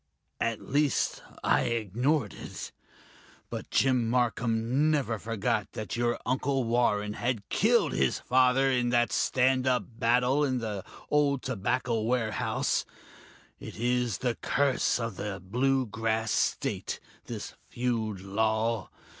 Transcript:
At least I ignored it. But Jim Marcum never forgot that your Uncle Warren had killed his father in that stand up battle in the old tobacco warehouse; it is the curse of the Blue Grass State, this feud law.